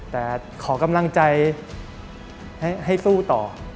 แต่ขอกำลังใจให้สู้ต่อ